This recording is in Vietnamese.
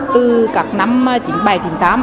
từ các năm chín mươi bảy